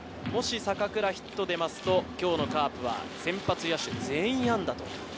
坂倉、ヒットが出ますと、今日のカープは先発野手全員安打。